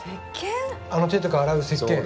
あの手とか洗う石けん？